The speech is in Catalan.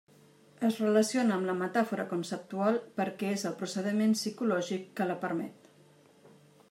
Es relaciona amb la metàfora conceptual perquè és el procediment psicològic que la permet.